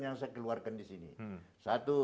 yang saya keluarkan di sini satu